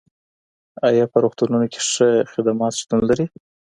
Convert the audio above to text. ايا په روغتونونو کي ښه خدمات شتون لري؟